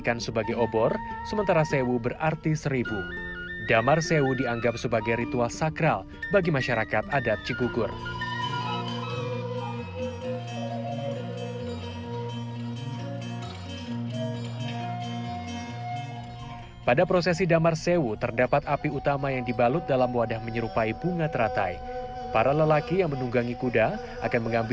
kalau perempuan biasanya lebih banyak mempersiapkan apa sih bu dalam perayaan serentakun ini